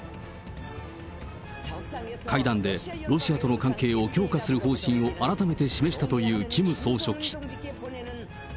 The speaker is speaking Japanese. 会談でロシアとの関係を強化する方針を改めて示したというキム総書記。